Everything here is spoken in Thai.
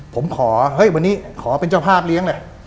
ผมขอวันนี้ขอเป็นเจ้าภาพเลี้ยงเลย